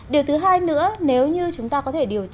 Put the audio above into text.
điều thứ hai nữa nếu như chúng ta có thể đánh giá sai lệch